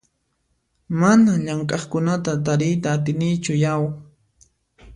Manan llamk'aqkunata tariyta atinichu yau!